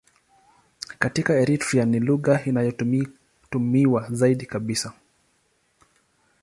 Katika Eritrea ni lugha inayotumiwa zaidi kabisa.